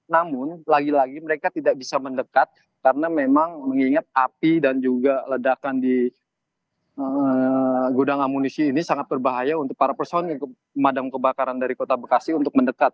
namun lagi lagi mereka tidak bisa mendekat karena memang mengingat api dan juga ledakan di gudang amunisi ini sangat berbahaya untuk para personil pemadam kebakaran dari kota bekasi untuk mendekat